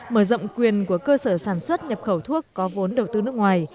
mở rộng quyền của cơ sở sản xuất nhập khẩu thuốc có vốn đầu tư nước ngoài